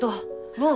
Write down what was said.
もう！